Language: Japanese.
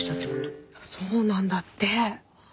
そうなんだって！